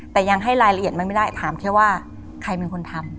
แต่ยังให้รายละเอียดมันไม่ได้ถามแค่ว่าใครเป็นคนทำ